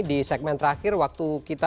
di segmen terakhir waktu kita